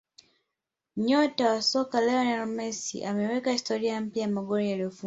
Nyota wa soka Lionel Messi ameweka historia mpya kwa magoli aliyofunga